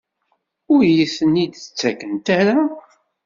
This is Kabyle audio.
Ur iyi-ten-id-ttakent ara?